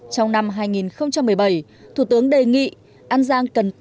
trong năm hai nghìn một mươi bảy thủ tướng đề nghị an giang cần tiết kiệm